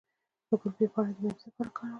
د ګلپي پاڼې د معدې لپاره وکاروئ